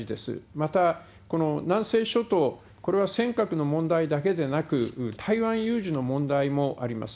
また、この南西諸島、これは尖閣の問題だけでなく、台湾有事の問題もあります。